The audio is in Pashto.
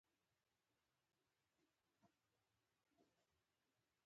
هغه د باغ حاصلات ټول کړل.